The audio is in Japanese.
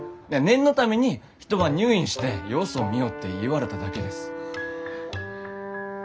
念のために一晩入院して様子を見ようって言われただけです。